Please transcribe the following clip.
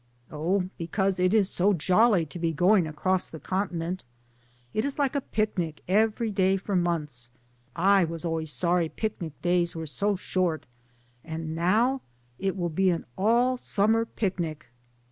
"Oh, because it is so jolly to be going across the continent; it is like a picnic every day for months; I was always sorry picnic days were so short, and now it will be an all Summer picnic."